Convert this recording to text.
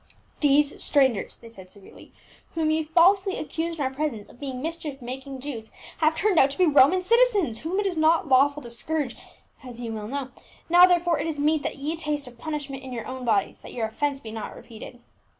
"Those strangers," they said severely, "whom ye falsely accused in our presence of being mischief making Jews have turned out to be Roman citizens, whom it is not lawful to scourge, as ye well know : now therefore it is meet that ye taste of punishment in your own bodies, that your offence be not repeated."